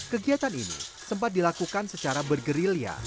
kegiatan ini sempat dilakukan secara bergerilya